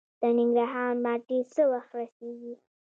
د ننګرهار مالټې څه وخت رسیږي؟